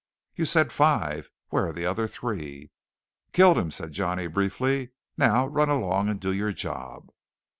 "You said five. Where are the other three?" "Killed 'em," said Johnny briefly. "Now run along and do your job."